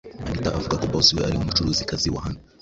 anita avuga ko 'boss' we ari umucuruzikazi wa hano